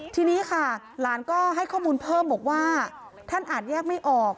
ทีนี้ค่ะหลานก็ให้ข้อมูลเพิ่มบอกว่าท่านอาจแยกไม่ออก